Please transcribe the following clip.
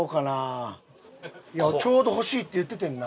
ちょうど「欲しい」って言っててんな。